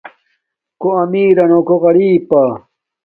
کݸ امݵرݳ نݸ کݸ غرݵپݳ.